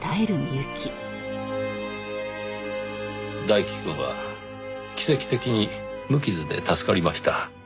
大樹くんは奇跡的に無傷で助かりました。